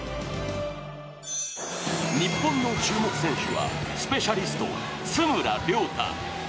日本の注目選手はスペシャリスト・津村涼太。